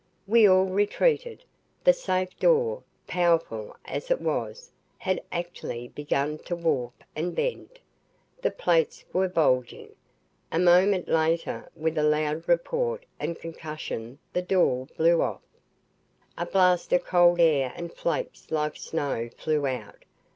We all retreated. The safe door, powerful as it was, had actually begun to warp and bend. The plates were bulging. A moment later, with a loud report and concussion the door blew off. A blast of cold air and flakes like snow flew out.